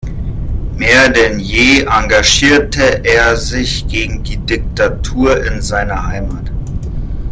Mehr denn je engagierte er sich gegen die Diktatur in seiner Heimat.